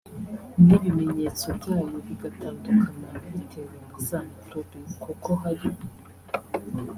n’ibimenyeto byayo bigatandukana bitewe na za microbe kuko hari